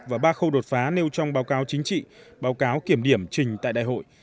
và ba khâu đột phá nêu trong báo cáo chính trị báo cáo kiểm điểm trình tại đại hội